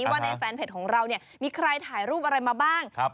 ว่าในแฟนเพจของเราเนี่ยมีใครถ่ายรูปอะไรมาบ้าง